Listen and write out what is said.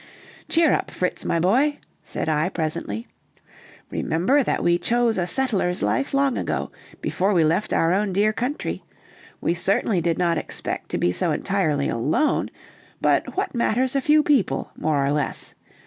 "Cheer up, Fritz, my boy," said I presently. "Remember that we chose a settler's life long ago, before we left our own dear country; we certainly did not expect to be so entirely alone but what matters a few people, more or less?